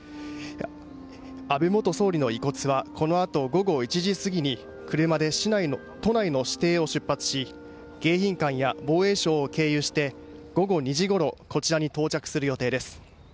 安倍元総理の遺骨はこのあと午後１時過ぎに車で都内の私邸を出発し、迎賓館や防衛省を経由して、午後２時ごろ、こちらに到着する予定です。